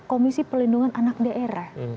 komisi pelindungan anak daerah